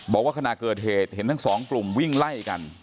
บอกว่าขณะเกิดเหตุเห็นทั้งสองกลุ่มวิ่งไล่กัน